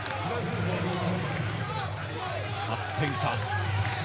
８点差。